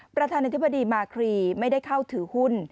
ประธานาธิบดีมาครีไม่ได้เข้าถือหุ้น